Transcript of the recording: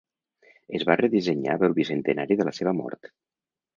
Es va redissenyar pel bicentenari de la seva mort.